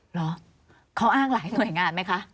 เหรอเขาอ้างหลายหน่วยงานไหมคะ